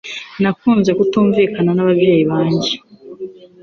Nakunze kutumvikana n'ababyeyi banjye.